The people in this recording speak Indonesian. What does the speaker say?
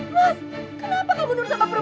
mas kenapa kamu turun sama perempuan ini